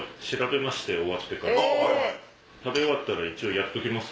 食べ終わったらやっときます？